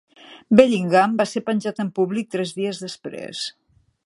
Bellingham va ser penjat en públic tres dies després.